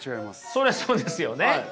そりゃそうですよね。